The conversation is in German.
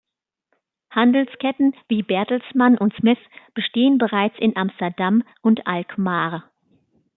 Handelsketten wie Bertelsmann und Smith bestehen bereits in Amsterdam und Alkmaar.